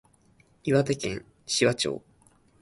岩手県紫波町